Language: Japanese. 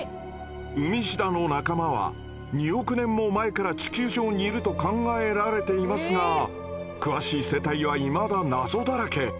ウミシダの仲間は２億年も前から地球上にいると考えられていますが詳しい生態はいまだ謎だらけ。